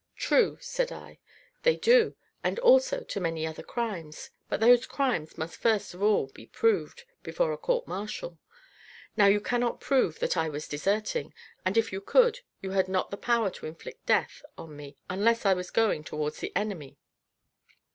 "True," said I, "they do, and also to many other crimes; but those crimes must first of all be proved before a court martial. Now you cannot prove that I was deserting, and if you could, you had not the power to inflict death on me unless I was going towards the enemy.